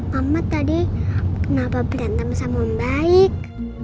mama tadi kenapa berantem sama om baik